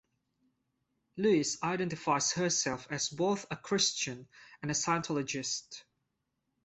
Lewis identifies herself as both a Christian and a Scientologist.